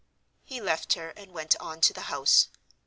He left her and went on to the house.